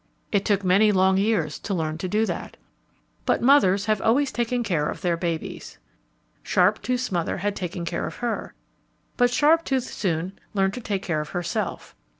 It took many long years to learn to do that. But mothers have always taken care of their babies. Sharptooth's mother had once taken care of her. But Sharptooth soon learned to take care of herself.